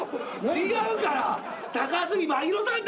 違うから高杉真宙さんだ。